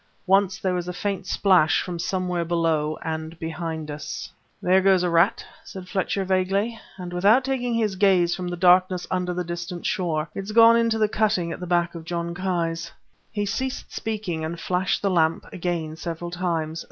Once there was a faint splash from somewhere below and behind us. "There goes a rat," said Fletcher vaguely, and without taking his gaze from the darkness under the distant shore. "It's gone into the cutting at the back of John Ki's." He ceased speaking and flashed the lamp again several times.